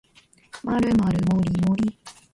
まるまるもりもり